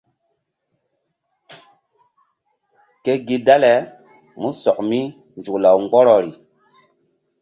Ke gi dale músɔk mi nzuk law mgbɔrɔri.